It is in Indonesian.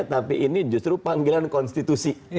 tapi ini justru panggilan konstitusi